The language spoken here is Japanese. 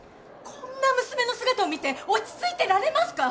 こんな娘の姿を見て落ち着いてられますか！？